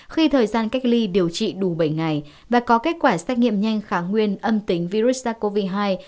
khi thời gian cách ly điều trị đủ bảy ngày và có kết quả xác nghiệm nhanh kháng nguyên âm tính virus covid hai